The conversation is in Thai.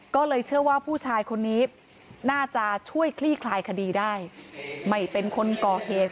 ก็เลยเชื่อว่าผู้ชายคนนี้น่าจะช่วยคลี่คลายคดีได้ไม่เป็นคนก่อเหตุ